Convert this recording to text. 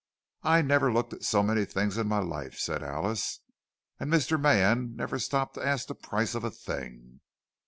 "I never looked at so many things in my life," said Alice. "And Mr. Mann never stopped to ask the price of a thing."